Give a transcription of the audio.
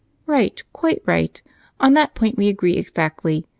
"Right, quite right on that point we agree exactly.